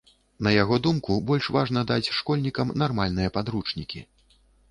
На яго думку, больш важна даць школьнікам нармальныя падручнікі.